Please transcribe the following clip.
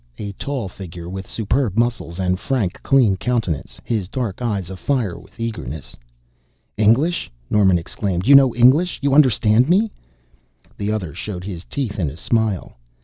A tall figure with superb muscles and frank, clean countenance, his dark eyes afire with eagerness. "English?" Norman exclaimed. "You know English you understand me?" The other showed his teeth in a smile.